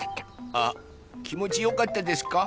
あきもちよかったですか？